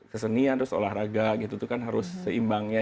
ya kesenian terus olahraga gitu tuh kan harus seimbangnya